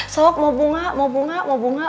sop mau bunga mau bunga mau bunga